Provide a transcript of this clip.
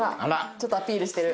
ちょっとアピールしてる。